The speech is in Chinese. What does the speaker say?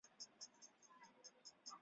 总统要求珍妮将此秘密保守两天。